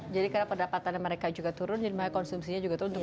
jadi karena pendapatan mereka juga turun maka konsumsinya juga turun